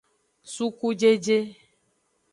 Sukujeje.